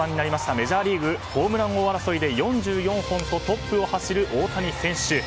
メジャーリーグホームラン王争いで４４本とトップを走る大谷選手。